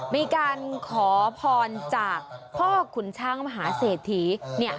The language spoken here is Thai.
ในการขอพรจากพ่อขุนชังมาหาเศษฐีเนี่ย